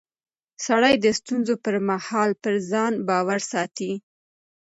سړی د ستونزو پر مهال پر ځان باور ساتي